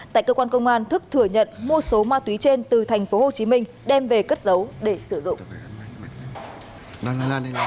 tại cơ quan công an thức thừa nhận một số ma túy trên từ thành phố hồ chí minh đem về cất giấu để sử dụng